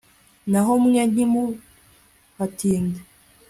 naho mwe ntimuhatinde